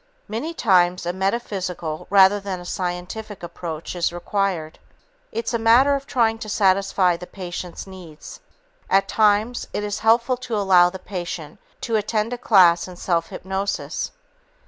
Many times, a metaphysical rather than a scientific approach is required. It's a matter of trying to satisfy the patient's needs. At times, it is helpful to allow the patient to attend a class in self hypnosis.